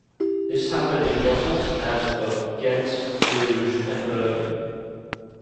This happened in Brussels, Antwerp, Ghent, Bruge and Bergen.